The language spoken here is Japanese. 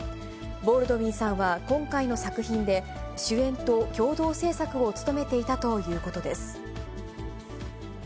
ボールドウィンさんは今回の作品で、主演と共同製作を務めていたということです。